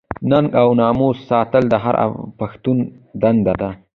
ننګ او ناموس ساتل د هر پښتون دنده ده.